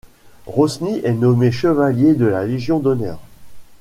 Rosny est nommé chevalier de la légion d'Honneur.